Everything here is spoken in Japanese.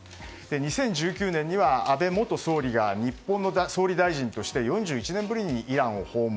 ２０１９年には安倍元総理が日本の総理大臣として４１年ぶりにイランを訪問。